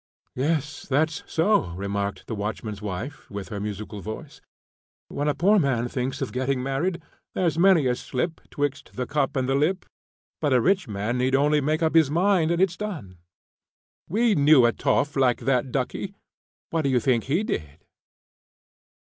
"Yes, that's so," remarked the watchman's wife, with her musical voice. "When a poor man thinks of getting married, there's many a slip 'twixt the cup and the lip; but a rich man need only make up his mind and it's done. We knew a toff like that duckie. What d'you think he did?"